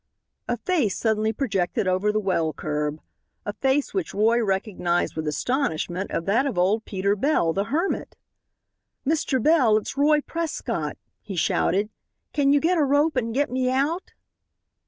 A face suddenly projected over the well curb a face which Roy recognized with astonishment as that of old Peter Bell, the hermit. "Mr. Bell, it's Roy Prescott," he shouted; "can you get a rope and get me out?"